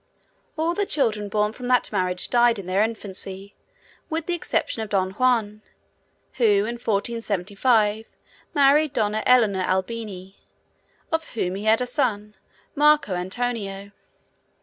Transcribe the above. All the children born from that marriage died in their infancy, with the exception of Don Juan, who, in 1475, married Donna Eleonora Albini, by whom he had a son, Marco Antonio.